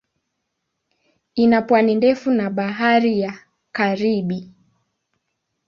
Ina pwani ndefu na Bahari ya Karibi.